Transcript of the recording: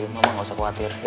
mama gak usah khawatir ya